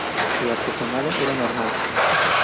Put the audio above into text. Su artesonado era normal.